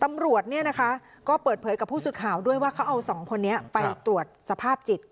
ตำรวจก็เปิดเผยกับผู้ศึกฮาวด้วยว่าเขาเอาสองคนนี้ไปตรวจสภาพจิต